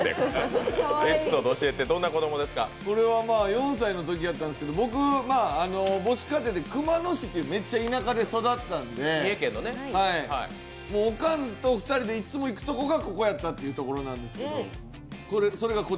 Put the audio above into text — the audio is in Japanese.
これは４歳のときやったんですけど僕、母子家庭で熊野市っていうめっちゃ田舎で育ったんでおかんと２人でいつも行くとこがここやったんです。